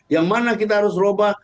yang mana kita harus berubah